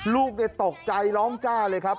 ลูกตกใจร้องจ้าเลยครับ